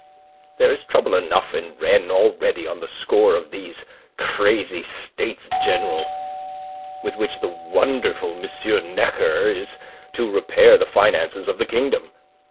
"There is trouble enough in Rennes already on the score of these crazy States General, with which the wonderful M. Necker is to repair the finances of the kingdom.